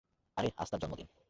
আরে, আজ তার জন্মদিন!